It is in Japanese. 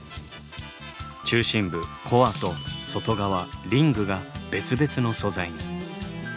中心部「コア」と外側「リング」が別々の素材に。